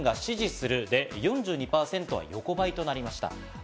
赤いラインが支持するで、４２％の横ばいとなりました。